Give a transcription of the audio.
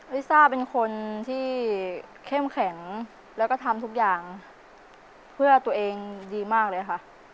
ลิซ่าเป็นคนที่เข้มแข็งแล้วก็ทำทุกอย่างเพื่อตัวเองดีมากเลยค่ะ